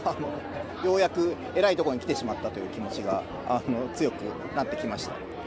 ようやく、えらい所に来てしまったという気持ちが強くなってきました。